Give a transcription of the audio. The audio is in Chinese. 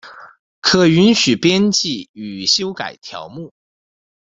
可允许编辑与修改条目。